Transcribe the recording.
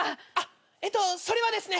えっとそれはですね